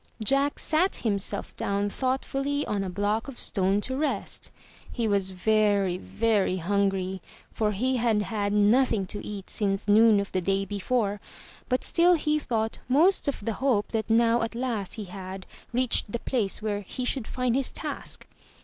Jack sat himself down thoughtfully on a. block of stone to rest. He was very, very hungry, for he had had nothing to eat since noon of the day before, but still he thought most of the hope that now at last he had reached the place where he should find his task.